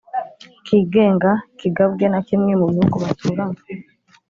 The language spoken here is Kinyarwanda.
cyigenga kigabwe na kimwe mu bihugu baturanye.